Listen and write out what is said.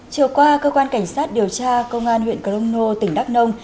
chiều qua cơ quan cảnh sát điều tra công an huyện crono tỉnh đắk nông